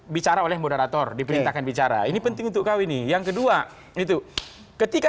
bicara oleh moderator diperintahkan bicara ini penting untuk kau ini yang kedua itu ketika